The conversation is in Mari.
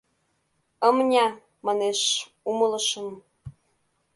«Ымня, — манеш, — умылышым.